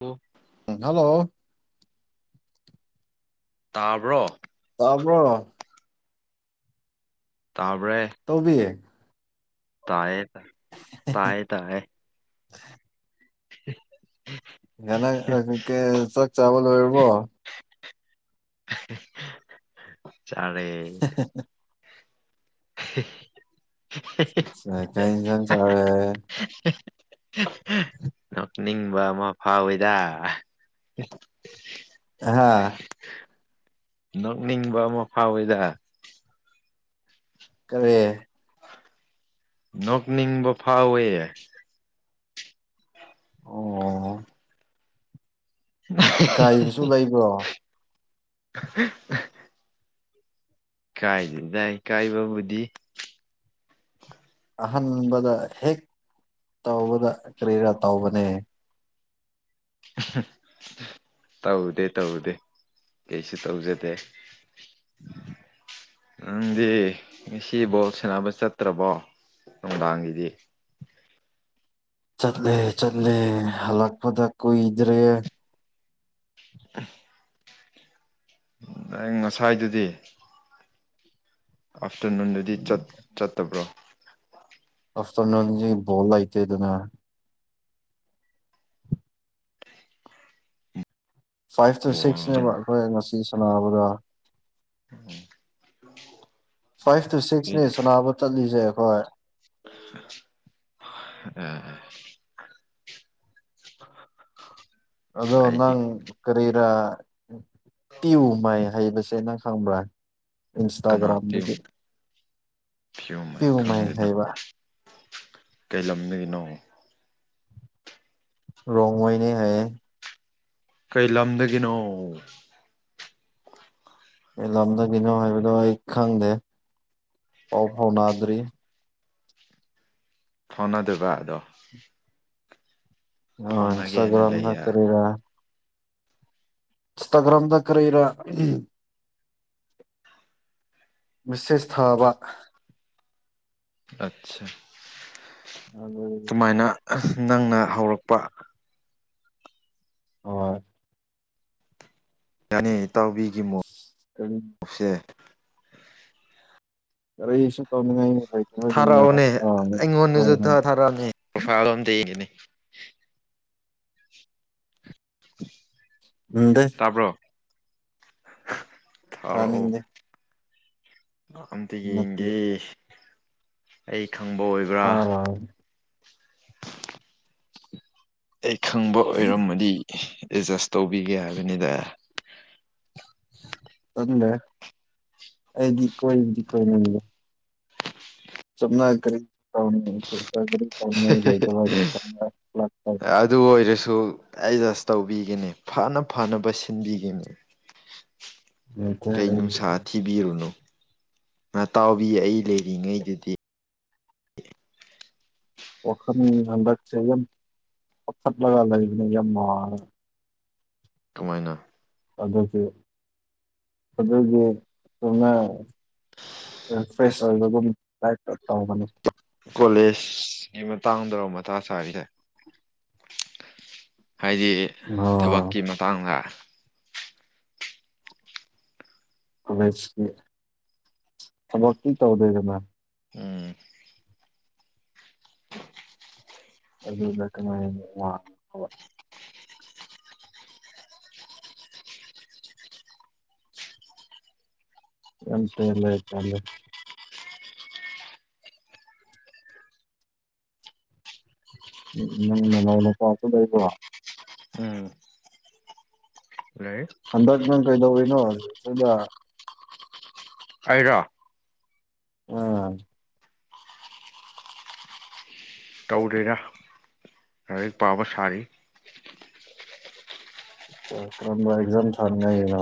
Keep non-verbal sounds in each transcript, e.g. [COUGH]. ꯑꯣ ꯍꯜꯂꯣ ꯇꯥꯕ꯭ꯔꯣ ꯇꯕ ꯇꯧꯕꯤꯌꯦ ꯇꯌꯦ ꯇ ꯇꯥꯌꯦ ꯇꯌꯦ [UNINTELLIGIBLE] [UNINTELLIGIBLE] ꯉꯅ ꯀ ꯆꯥꯛ ꯆꯥꯕ ꯂꯣꯏꯔꯕꯣ ꯆꯥꯔꯦ [UNINTELLIGIBLE] ꯀ ꯏꯟꯁꯥꯡ ꯆꯥꯔꯦ ꯅꯣꯛꯅꯤꯡꯕ ꯑꯃ ꯐꯥꯎꯋꯦꯗ ꯍꯥꯥ ꯅꯣꯛꯅꯤꯡꯕ ꯑꯃ ꯐꯥꯎꯋꯦꯗ ꯀꯔꯤ ꯅ ꯅꯤꯡꯕ ꯐꯥ ꯑꯣꯏꯦ ꯑꯣ ꯏꯀꯥꯏꯕꯁꯨ ꯂꯩꯕ꯭ꯔꯣ [UNINTELLIGIBLE] ꯀꯥꯏꯗ ꯇꯥꯏ ꯀꯥꯏꯕꯕꯨꯗꯤ ꯑꯍꯟꯥꯟꯕꯗ ꯍꯦꯛ ꯇꯧꯕꯗ ꯀꯔꯤꯔꯥ ꯇꯧꯕꯅꯦ [UNINTELLIGIBLE] ꯇꯧꯗꯦ ꯇꯧꯗꯦ ꯀꯩꯁꯨ ꯇꯧꯖꯗꯦ ꯎꯪꯗꯤ ꯉꯁꯤꯐꯧ ꯁꯥꯟꯅꯕ ꯆꯠꯇ꯭ꯔꯕꯣ ꯅꯨꯡꯗꯥꯡꯒꯤꯗꯤ ꯆꯠꯂꯦ ꯆꯠꯂꯦ ꯍꯜꯂꯛꯄꯗ ꯀꯨꯏꯗ꯭ꯔꯦ ꯑ ꯅ ꯉꯁꯥꯏꯗꯨꯗꯤ ꯑꯥꯐꯇꯔꯅꯨꯟꯗꯗꯤ ꯆꯠꯇꯕ꯭ꯔꯣ ꯑꯐꯇꯔꯅꯣꯟ ꯣꯜ ꯂꯥꯏꯇꯦ ꯑꯗꯨꯅ ꯐꯥꯏꯚ ꯇꯨ ꯕꯣꯜ ꯁꯤꯛꯁꯅꯦꯕ ꯑꯩꯈꯣꯏ ꯉꯁꯤ ꯁꯥꯟꯅꯕꯗ ꯐꯥꯏꯚ ꯇꯨ ꯁꯤꯛꯁꯅꯦ ꯁꯅꯥꯕꯨ ꯆꯠꯂꯤꯁꯦ ꯑꯩꯈꯣꯏ ꯑ ꯑꯗ ꯑꯩꯗꯤ ꯀꯔꯤ ꯇꯤꯨ ꯃꯥꯏ ꯍꯩꯕꯁꯦ ꯅꯪ ꯈꯪꯕ꯭ꯔꯥ ꯀꯅꯥ ꯄꯣ ꯏꯟꯁꯇꯥꯒ꯭ꯔꯥꯝꯗꯒꯤ ꯊꯣ ꯃ ꯄꯤꯌꯨ ꯃꯥꯏ ꯈꯪꯗꯦꯅ ꯍꯩꯕ ꯀꯩ ꯂꯝꯗꯒꯤꯅꯣ ꯔꯣꯡꯣꯏꯅꯦ ꯍꯥꯏ ꯀꯩ ꯂꯝꯗꯒꯤꯅꯣ ꯑꯩ ꯂꯝꯗꯒꯤꯅꯣ ꯍꯥꯏꯕꯗꯣ ꯑꯩ ꯈꯪꯗꯦ ꯑꯣ ꯐꯥꯎ ꯅꯥꯗ꯭ꯔꯤ ꯊꯥꯎꯅꯗꯕ ꯑꯗꯣ ꯑ ꯐꯥꯎꯅꯒꯦꯅ ꯏꯟꯁꯇꯥꯒ꯭ꯔꯝ ꯅ ꯂꯩꯌꯦ ꯀꯗ ꯏꯟꯁꯇꯥꯒ꯭ꯔꯥꯝꯗ ꯀꯔꯔ ꯃꯤꯁꯦꯁ ꯊꯥꯕ ꯑꯠꯆꯥ ꯑꯗꯤ ꯀꯃꯥꯏꯅ ꯅꯪꯅ ꯍꯧꯔꯛꯄ ꯑ ꯌꯥꯅꯤ ꯏꯇꯥꯎꯕꯤꯒꯤ ꯀꯔꯤ ꯃꯣꯁꯦ ꯔ ꯁ ꯇꯣꯉꯉ ꯊꯥꯔꯛꯑꯣꯅꯦ ꯑꯩꯉꯣꯟꯗꯁꯨ ꯍꯣꯏ ꯊꯥꯔꯛꯑꯅꯦ ꯄꯁꯥꯣꯅꯤ ꯎꯗ ꯇꯥꯕ꯭ꯔꯣ ꯊꯥꯔꯛꯑꯣ ꯐꯃꯤꯗꯦ ꯑꯝꯇ ꯌꯦꯡꯒꯦ ꯑꯩ ꯈꯪꯕ ꯑꯣꯏꯕ꯭ꯔꯥ ꯊꯥꯔꯣꯏ ꯑꯩ ꯈꯪꯕ ꯑꯣꯏꯔꯝꯃꯗꯤ ꯑꯦꯠꯖꯁ ꯇꯧꯕꯤꯒꯦ ꯍꯥꯏꯕꯅꯤꯗ ꯇꯗꯣꯣ ꯁꯝꯅꯥ ꯀꯔꯤ ꯀꯥꯎ ꯀꯥꯎ ꯍꯥꯏ ꯆ ꯁꯨ ꯑꯦꯗꯖꯁ ꯇꯧꯕꯤꯒꯅꯤ ꯐꯅ ꯐꯅꯕ ꯁꯤꯟꯕꯤꯒꯅꯤ ꯀꯩ ꯅꯨꯡꯁꯥ ꯊꯤꯕꯤꯔꯨꯅꯨ ꯃꯇꯇꯥꯎꯕꯤ ꯑꯩ ꯂꯩꯔꯤꯉꯩꯗꯨꯗꯤ ꯅꯤꯗ ꯆꯠꯂꯒ ꯂꯅꯤꯌ ꯃꯥ ꯀꯃꯥꯏꯅ ꯑꯗꯁꯨ ꯑꯗꯨꯗꯗꯒꯤ ꯁꯣꯅ ꯐ꯭ꯔꯦꯁ ꯑꯣꯏꯨꯝꯥꯏ ꯃ ꯀꯣꯂꯦꯖꯀꯤ ꯃꯇꯥꯡꯗꯧꯔ ꯃꯥ ꯁꯥꯔꯤꯁꯦ ꯍꯥꯏꯗꯤ ꯊꯕꯛꯀꯤ ꯃꯇꯥꯡꯗ ꯑ ꯊꯕꯛ ꯀ ꯇꯧꯗꯣꯏꯗꯅ ꯎꯝ [UNINTELLIGIBLE] ꯑꯇ ꯂꯩ ꯆꯂꯣ ꯎꯝ ꯎꯝꯥꯏꯩꯅ ꯆꯁꯨꯗꯏ ꯎꯝ ꯂꯩ ꯑꯗꯥꯖ ꯀ ꯀꯩꯗ ꯅꯣ ꯁꯗ ꯍꯥꯏꯔ ꯑꯥ ꯇꯧꯗꯦꯔꯥ ꯂꯥꯏꯔꯤꯛ ꯄꯥꯕ ꯁꯥꯔꯤ ꯀꯔꯝꯕ ꯑꯦꯛꯖꯥꯝ ꯊꯥꯟꯉꯥꯏꯅꯣ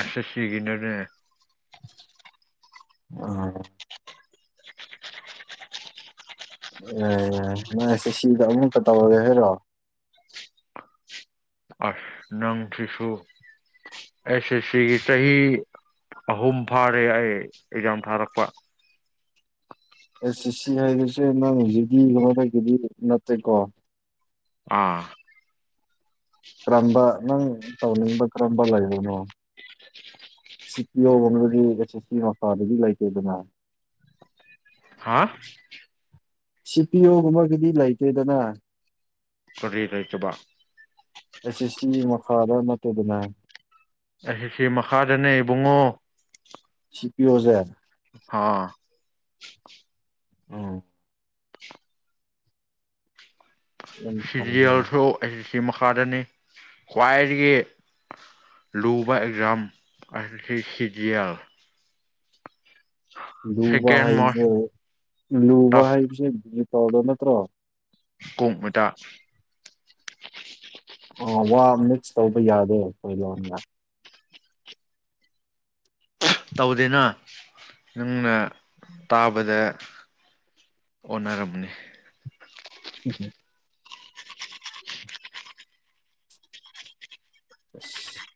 ꯑꯁ ꯁꯤꯒꯤꯅꯅꯦ ꯑ ꯑꯦ ꯅꯥꯏꯁꯦ ꯁꯤꯗ ꯑꯃꯨꯛꯀ ꯇꯧꯔꯒꯦ ꯍꯥꯏꯔꯣ ꯅꯪ ꯁꯤꯁꯨ ꯑꯦꯁꯦ ꯁꯤꯒꯤ ꯆꯍꯤ ꯆꯍꯤ ꯑꯍꯨꯝ ꯐꯥꯔꯦ ꯑꯩ ꯑꯦꯛꯖꯥꯝ ꯊꯥꯔꯛꯄ ꯑꯦꯁ ꯁꯤ ꯁꯤ ꯍꯥꯏꯔꯤꯁꯦ ꯅꯪ ꯍꯧꯖꯤꯛꯇꯤ ꯀꯀꯤꯗꯤ ꯅꯠꯇꯦꯀꯣ ꯑꯥ ꯀꯔꯝꯕ ꯅꯪ ꯇꯧꯅꯤꯡꯕ ꯀꯔꯝꯕ ꯂꯩꯕꯅꯣ ꯁꯤ ꯄꯤꯌꯗꯒꯤ ꯑꯦꯆ ꯑꯦꯁ ꯁꯤ ꯃꯈꯥꯗꯒꯤ ꯂꯩꯇꯦ ꯑꯗꯨꯅ ꯍꯥ ꯁꯤ ꯄꯤꯌꯣꯒꯨꯝꯕꯒꯤꯗꯤ ꯂꯩꯇꯦꯗꯅ ꯀꯔꯤ ꯀ ꯆꯕ ꯑꯦꯁꯦꯁꯤ ꯃꯈꯥꯗ ꯅꯠꯇꯗꯤꯅꯦ ꯑꯩꯁꯦꯁꯤ ꯃꯈꯥꯗꯅꯦ ꯏꯕꯨꯡꯉꯣ ꯁꯤ ꯄꯤ ꯑꯣꯖꯦ ꯑꯥ [INAUDIBLE] ꯑꯥꯎ ꯌꯥꯝ ꯐꯩꯅꯦ ꯁꯤꯔꯤꯌꯦꯜꯁꯨ ꯑꯁ ꯁꯦ ꯁꯤ ꯃꯈꯥꯗꯅꯤ ꯈ꯭ꯋꯥꯏꯗꯒꯤ ꯂꯨꯕ ꯑꯦꯛꯖꯥꯝ ꯑꯦꯁ ꯁꯦ ꯁꯤ ꯂꯤꯖꯤꯌꯦꯜ ꯂꯨꯕ ꯁꯦꯀꯦꯟ ꯃꯣꯁ ꯍꯥꯏꯕꯁꯦ ꯂꯨꯕ ꯇꯐ ꯍꯥꯏꯕꯖꯦ [UNINTELLIGIBLE] ꯅꯠꯇ꯭ꯔꯣ ꯀꯣꯛ ꯃꯇꯥ ꯑꯣ ꯋꯥ ꯃꯤꯛꯁ ꯇꯧꯕ ꯌꯥꯗꯦ ꯑꯩꯈꯣꯏ ꯂꯣꯟꯒ ꯇꯧꯗꯦꯅ ꯅꯪꯅ ꯇꯥꯕꯗ ꯑꯣꯅꯔꯝꯅꯤ [INAUDIBLE] [UNINTELLIGIBLE]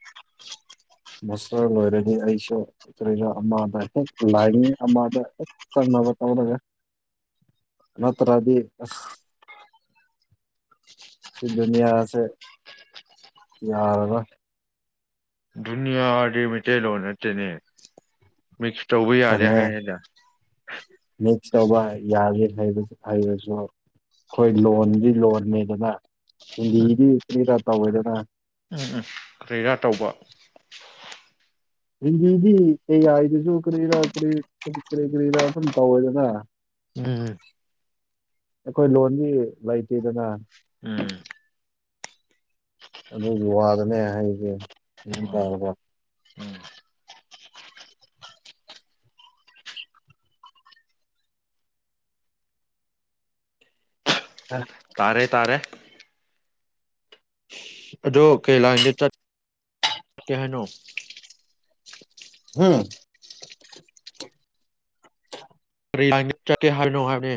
ꯃꯥꯁꯇꯔ ꯂꯣꯏꯔꯗꯤ ꯑꯩꯁꯨ ꯀꯔꯤꯅꯣ ꯑꯃꯗ ꯍꯦꯛ ꯂꯥꯏꯟ ꯑꯃꯗ ꯍꯦꯛ ꯆꯪꯅꯕ ꯇꯒꯩ ꯅꯠꯇ꯭ꯔꯗꯤ ꯑꯁ ꯁꯤ ꯗꯨꯅꯤꯌꯥꯁꯦ ꯌꯥꯔꯔꯣꯢ ꯌꯥꯗꯤ ꯃꯩꯇꯩꯂꯣꯟ ꯅꯠꯇꯦꯅꯦ ꯃꯤꯛꯁ ꯇꯧꯕ ꯌꯥꯗꯦ ꯈꯪꯉꯦ ꯍꯥꯏꯌꯦꯗ ꯇꯧꯕ ꯌꯥꯗꯦ ꯍꯥꯏꯔ ꯍꯥꯢꯔꯁꯨ ꯑꯩꯈꯣꯏ ꯂꯣꯟꯗꯤ ꯂꯣꯟꯅꯤꯗꯅ ꯍꯤꯟꯗꯤꯗꯤ [UNINTELLIGIBLE] ꯎꯝ ꯎꯝ ꯀ꯭ꯔꯤꯔꯥ ꯇꯧꯕ ꯍꯤꯟꯗꯤꯗꯤ ꯑꯦ ꯑꯥꯏ ꯗꯁꯨ ꯀꯔꯤꯔꯥ ꯀꯔꯤ ꯀꯔꯤ ꯀꯔꯤꯔꯥ ꯑꯗꯨꯝ ꯇꯧꯋꯦꯗꯅ ꯎꯝꯝ ꯑꯩꯈꯣꯏ ꯂꯣꯟꯗꯤ ꯂꯩꯇꯦꯗꯅ ꯎꯝ ꯑꯗꯨꯒꯤ ꯋꯥꯗꯅꯦ ꯍꯥꯏꯁꯦ ꯒ꯭ꯌꯥꯟ ꯇꯥꯔꯕ ꯎꯝ [INAUDIBLE] ꯇꯥꯔꯦ ꯇꯥꯔꯦ ꯑꯗꯣ ꯀꯩ ꯂꯥꯏꯟꯗ ꯆꯠ ꯀꯩ ꯍꯥꯏꯅꯣ ꯍꯨꯝ ꯀꯩ ꯂꯥꯢꯟꯗ ꯆꯠꯀꯦ ꯍꯥꯢꯅꯣ ꯍꯥꯢꯕꯅꯦ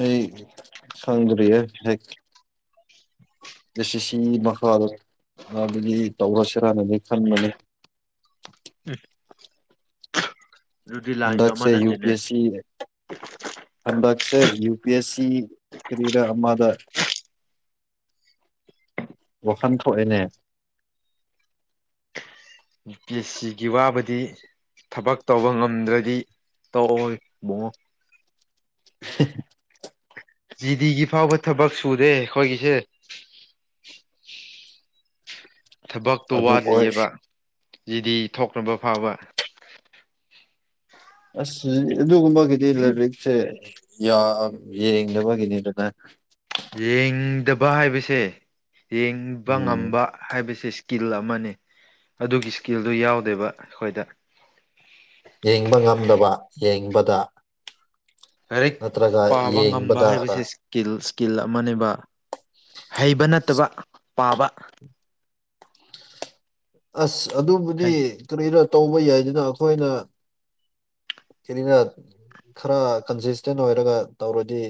ꯑꯩ ꯈꯪꯗ꯭ꯔꯤꯌꯦ [UNINTELLIGIBLE] ꯑꯦꯁꯤ ꯁꯤ ꯃꯈꯥ ꯃꯥꯗꯨꯗꯤ ꯇꯧꯔꯁꯤꯔꯅꯗꯤ ꯈꯟꯕꯅꯤ [INAUDIBLE] ꯎꯐꯝ ꯑꯃ ꯍꯟꯗꯛꯁꯦ ꯌꯨ ꯄꯤ ꯅꯠꯇꯦꯅꯦ ꯑꯦꯁ ꯁꯤ ꯑꯦ ꯍꯟꯗꯛꯁꯦ ꯌꯨ ꯄꯤ ꯑꯦꯁ ꯁꯤ ꯀ꯭ꯔꯤꯔꯥ ꯑꯃꯗ ꯋꯥꯈꯟ ꯊꯣꯛꯑꯦꯅꯦ ꯌꯨ ꯄꯤ ꯑꯦꯁ ꯁꯤꯒꯤ ꯋꯥꯕꯗꯤ ꯊꯕꯛ ꯇꯧꯕ ꯉꯝꯗ꯭ꯔꯗꯤ ꯇꯧꯑꯣꯏ ꯃꯣ꯫ [INAUDIBLE] ꯖꯤꯗꯤꯒꯤ ꯐꯥꯎꯕ ꯊꯕꯛ ꯁꯨꯗꯦ ꯑꯩꯈꯣꯏꯒꯤꯁꯦ ꯊꯕꯛꯇꯣ ꯑꯗꯨ ꯑꯣꯏ ꯋꯥꯠꯂꯤꯌꯦꯕ ꯖꯤꯗꯤ ꯊꯣꯛꯈꯕ ꯐꯥꯎꯕ ꯑꯁ ꯑꯗꯨꯒꯨꯝꯕꯒꯤꯗꯤ ꯂꯥꯏꯔꯤꯛꯁꯦ ꯌꯥꯝ ꯌꯦꯡꯗꯕꯒꯤꯅꯤꯗꯅ ꯌꯦꯡꯗꯕ ꯍꯥꯏꯕꯁꯦ ꯌꯦꯡꯕ ꯎꯝ ꯉꯝꯕ ꯍꯥꯏꯕꯁꯦ ꯏꯁꯀꯤꯜ ꯑꯃꯅꯤ ꯑꯗꯨꯒꯤ ꯏꯁꯀꯤꯜꯗꯨ ꯌꯥꯎꯗꯦꯕ ꯑꯩꯈꯣꯏꯗ ꯗ ꯂꯥꯏꯔꯤꯛ ꯄꯥꯕ ꯉꯝꯕ ꯌꯦꯡꯕꯗꯔ ꯍꯥꯏꯕꯁꯦ ꯁꯀꯤꯜꯁ ꯀꯤꯜ ꯐꯃꯅꯦꯕ ꯍꯩꯕ ꯅꯠꯇꯕ ꯄꯥꯕ ꯑꯁ ꯑꯗꯨꯕꯨꯗꯤ ꯍꯩ ꯀꯔꯤꯔ ꯇꯧꯕ ꯌꯥꯏꯗꯅ ꯑꯩꯈꯣꯏꯅ ꯀ‌ꯦꯅꯤꯃ‌ꯦꯜ ꯈꯔ ꯀꯟꯁꯤꯁꯇꯦꯟ ꯑꯣꯏꯔꯒ ꯇꯧꯔꯗꯤ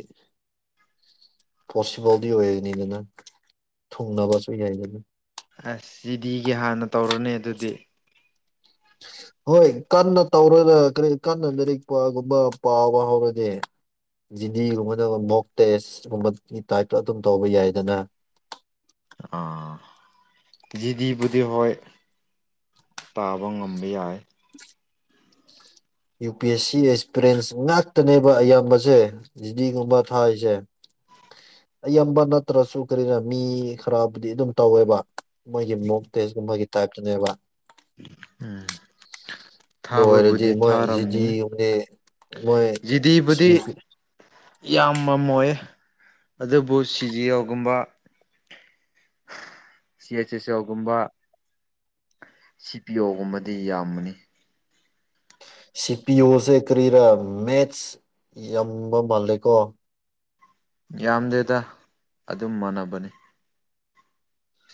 ꯄꯣꯁꯤꯕꯜꯗꯤ ꯑꯣꯏꫪꯤꯅꯤꯗꯅ ꯊꯨꯡꯅꯕꯁꯨ ꯌꯥꯏꯗꯅ ꯑꯁ ꯁꯤꯗꯤꯒꯤ ꯑꯩꯒꯤ ꯍꯥꯟꯅ ꯇꯧꯔꫭꯅꯩ ꯑꯗꯨꯗꯤ [UNINTELLIGIBLE] ꯍꯣꯏ ꯀꯟꯅ ꯇꯧꯔꯒ ꯀꯔꯤ ꯀꯟꯅ ꯂꯥꯏꯔꯤꯛꯄꯒꯨꯝꯕ ꯄꯥꯎꯕ ꯍꯧꯔꯗꯤ ꯖꯤꯗꯤꯒꯨꯝꯕꯗ ꯃꯣꯛ ꯇꯦꯁ ꯒꯨꯝꯕꯒꯤ ꯇꯥꯏꯞꯇ ꯑꯗꯨꯝ ꯇꯧꯕ ꯌꯥꯏꯗꯅ ꯑꯥ ꯖꯤꯗꯤꯕꯨꯗꯤ ꯍꫭꯏ ꯇꯥꯕ ꯉꯝꯕ ꯌꯥꯏ ꯌꯨ ꯄꯤ ꯑꯦꯁ ꯁꯤ ꯑꯦꯛꯁꯄꯤꫪ‌ꯦꯁ ꯉꯥꯛꯇꯅꯦꯕ ꯑꯌꯥꯝꯕꯁꯦ ꯖꯤꯗꯤꯒꯨꯝꯕ ꯊꯥꯏꯁꯦ [UNINTELLIGIBLE] ꯑꯌꯥꯝꯕ ꯅꯠꯇ꯭ꯔꯁꯨ ꯀꯔꯤꫪꯥ ꯃꯤ ꯈꯔꯕꯨꯗꯤ ꯑꯗꯨꯝ ꯇꯧꯋꯦꯕ ꯃꯣꯏꯒꯤ ꯃꯣꯛ ꯇꯦꯁꯀꯨꯝꯕꯒꯤ ꯇꯥꯏꯇꯥꯅꯩꯕ ꯎꯝ ꯑꯗꯨ ꯑꯣꯏꯔꯗꯤ ꯊꯥꯕꯕꯨꯗꯤ ꯃꯣꯏ ꯊꯥꯔꯝꯅꯤ ꯖꯤꯗꯤꯒꯨꯕꯅ‌ꯦ ꯃꯣꯏ ꯁꯨꯐꯤ ꯏꯌꯥꯝꯕꯃꯥ ꯑꯣꯏ ꯑꯗꯨꯕꯨ ꯁꯤꯖꯤ ꯑꯣꯒꯨꯝꯕ ꯁꯤ ꯑꯩꯆ ꯑꯦꯁ ꯑꯣ ꯒꯨꯝꯕ ꯁꯤ ꯄꯤ ꯑꯣꯒꯨꯝꯕꯗꯤ ꯌꯥꯝꯕꯅꯤ ꯁꯤ ꯄꯤ ꯑꯣꯁꯦ ꯀꯔꯤꯔꯥ ꯃꯦꯠꯁ ꯌꯥꯝꯕ ꯃꯥꯜꯂꯦꯀꯣ ꯌꯥꯝꯗꯦꯗ ꯑꯗꯨꯝ ꯃꯥꯟꯅꯕꯅꯤ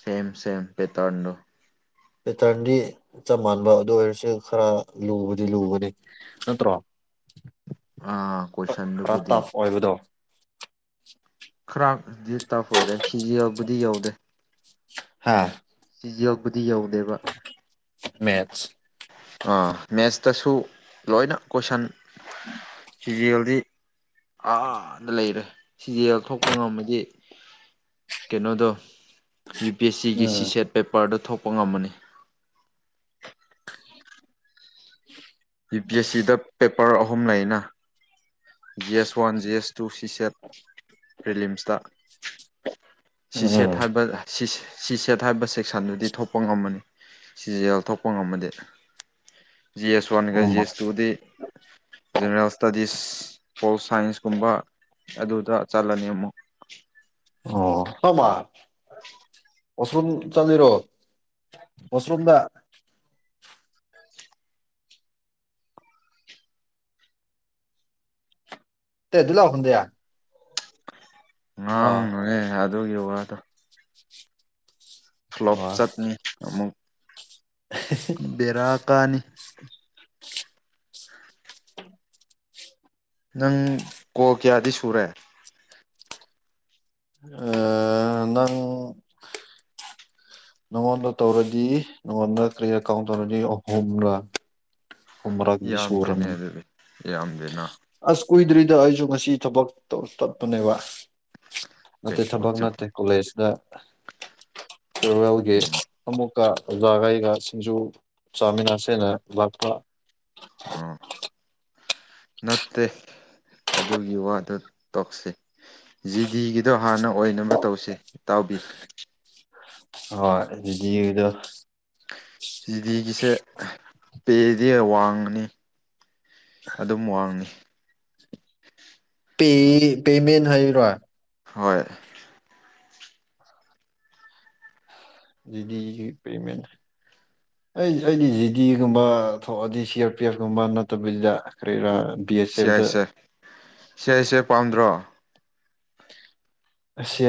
ꯁꯦꯝ ꯁꯦꯝ ꯄꯦꯇꫪꯟꯗꫭ ꯄꯦꯇꯔꯟꯗꯤ ꯆꯞ ꯃꯥꯟꯕ ꯑꯗꯨ ꯑꯣꯏꯔꯁꯨ ꯈꯔ ꯂꯨꯕꯗꯤ ꯂꯨꯕꯅ‌ꯦ ꯅꯠꯇ꯭ꯔꯣ ꯑꯥ ꯈꯔ ꯇꯥꯞ ꯀꯣꯏꯁꯟꯗꯨꯕꯨꯗꯤ ꯑꯣꯏꯕꯗꯣ ꯈꯔꯗꯤ ꯇꯐ ꯑꯣꯏꯔꯦ ꯁꯤ ꯖꯤ ꯑꯦꯜꯕꯨꯗꯤ ꯌꯧꯗꯦ ꯍꯥꯥ ꯆꯤꯖꯤꯑꫭꯞꯄꯨꯗꯤ ꯌꯧꯗꯦꯕ ꯃꯦꯠꯁ ꯃꯦꯠꯁꯇꯁꯨ ꯂꯣꯏꯅ ꯀꯣꯏꯁꯟ ꯐꯤꯖꯤꯌ‌ꯦꯜꯗꯤ ꯑꯥꯗ ꯂꯩꯔꯦ ꯁꯤꯁꯦ ꯂꯧꯊꯣꯛꯄ ꯉꯝꯃꯗꯤ ꯀꯩꯅꯣꯗꫭ ꯌꯨ ꯄꯤ ꯑꯦꯁ ꯁꯤꯒꯤ ꯎꯝ ꯁꯤꯁꯦꯠ ꯄꯦꯄꯔꯗ ꯊꯣꯛꯄ ꯉꯝꯕꯅꯤ ꯄ‌ꯦꯄꫪ ꯑꯍꯨꯝ ꯂꯩꯅ G S one G S two CSAT ꯐꯔꯤꯂꯤꯝꯁꯇꯥ ꯁꯤ ꯁꯦꯠ ꯎꯝ ꯍꯥꯏꯕ ꯁꯤ ꯁꯤ ꯁꯦꯠ ꯍꯥꯏꯕ ꯁꯦꯛꯁꯟꯗꯨꯗꯤ ꯊꯣꯛꯄ ꯉꯝꯕꯅꯤ ꯁꯤꯖꯦꯜ ꯊꯣꯛꯄ ꯉꯝꯃ‌ꯦꯗ‍ꯦ ꯋꯥꯟꯒ ꯎꯝ ꯖꯤꯑꯁ ꯇꯨꯒꯗꯤ ꯖꯦꯅꯔꯦꯜ ꯏꯁꯇꯗꯤꯁ ꯄꯣꯜ ꯁꯥꯏꯟꯁꯀꯨꯝꯕ ꯑꯗꯨꯗ ꯆꯠꯂꯅꯤ ꯑꯃꯨꯛ ꯑꯣ ꯍꯞꯃꯔ ꯋꯥꯁꯔꯨꯝ ꯆꯠꯂꯤꯔꯣ ꯋꯥꯁꯔꯨꯝꯗ ꯇ‌ꯦꯗꯨꯂꯥꯎ ꯍꯟꯗꯦ ꯉꯥꯡꯅꯨꯍꯦ ꯑꯗꯨꯒꯤ ꯋꯥꯗꯣ ꯀ꯭ꯂ‌ꫭꯞ ꯑꯣ ꯆꯠꯅꯤ ꯑꯃꯨꯛ ꯕꯦꯔꯥ ꯀꯥꯅꯤ [UNINTELLIGIBLE] ꯅꯪ ꯀꯣꯜ ꯀꯌꯥꯗꯤ ꯁꯨꯔꯦ ꯑꯥ ꯅꯪ ꯅꯪꯉꯣꯟꯗ ꯇꯧꯔꯗꯤ ꯅꯪꯉꯣꯟꯗ ꯀꯔꯤꯑꯩꯀꯥꯎ ꯇꯧꯔꯗꯤ ꯑꯍꯨꯝꯔꯥ ꯌꯥꯝꯗꯦꯅꯦ ꯑꯗꯨꯗꯤ ꯌꯥꯝꯗꯦꯅ ꯀꯨꯏꯗꯔꯤꯗ ꯑꯩꯁꯨ ꯉꯁꯤ ꯊꯕꯛꯇꫭ ꯇꯠꯄꯅꯦꯕ ꯀꯩ ꯅꯠꯇ‍ꯦ ꯊꯕꯛ ꯆꯠꯄ ꯅꯠꯇ‌ꯦ ꯀꯣꯂꯦꯖꯇ ꯐ‌ꯦꯋ‌ꯦꯜꯒꯤ ꯎꯝ ꯑꯃꯨꯛ ꯑꯣꯖꯥꯒꯩꯒ ꯁꯤꯡꯖꯨ ꯆꯥꯃꯤꯟꯅꯥꯁꯦꯅ ꯂꯥꯛꯄ ꯑꯣ ꯅꯠꯇꯦ ꯑꯗꯨꯒꯤ ꯋꯥꯗꯨ ꯇꯣꯛꯁꯤ ꯖꯤꯗꯤꯒꯤꯗꯣ ꯍꯥꯟꯅ ꯑꯣꯏꯅꯕ ꯇꯧꯁꯤ ꯎ ꯑ ꯑꯗꯨꯗꯤꯗ ꯆꯤꯗꯤꯒꯤꯁꯦ ꯄꯦꯗꯤ ꯋꯥꯡꯉꯅꯤ ꯑꯗꯨꯝ ꯋꯥꯡꯉꯤ ꯄꯦ ꯄꯦꯃꯦꯟ ꯍꯥꯏꯔꯣ ꯍꯣꯏ ꯄꯦꯃꯦꯟ ꯑꯩ ꯑꯩꯗꯤ ꯖꯤꯗꯤꯒꯨꯝꯕ ꯊꯣꯛꯑꯗꯤ ꯁꯤ ꯑꯥꯔ ꯄꯤ ꯑꯦꯐ ꯀꯨꯝꯕ ꯅꯠꯇꯕꯤꯗ ꯀꯔꯤꯔꯥ ꯕꯤ ꯑꯦꯁ ꯁꯤ ꯑꯦꯐꯇ ꯌꯥꯏꯁꯦ ꯁꯤ ꯌꯥꯏꯁꯦ ꯄꯥꯝꯗ꯭ꯔꯣ ꯑꯁꯦ